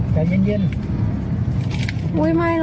เชื่อเธอน่า